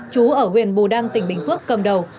chú ở huyện bù đăng tỉnh bình phước cầm đầu